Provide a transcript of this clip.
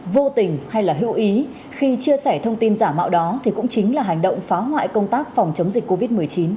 vô tình hay là hữu ý khi chia sẻ thông tin giả mạo đó thì cũng chính là hành động phá hoại công tác phòng chống dịch covid một mươi chín